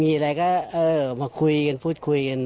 มีอะไรก็เออมาคุยกันพูดคุยกันด้วย